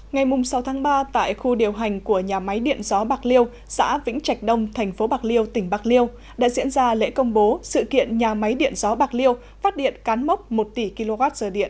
ngày sáu tháng ba tại khu điều hành của nhà máy điện gió bạc liêu xã vĩnh trạch đông thành phố bạc liêu tỉnh bạc liêu đã diễn ra lễ công bố sự kiện nhà máy điện gió bạc liêu phát điện cán mốc một tỷ kwh điện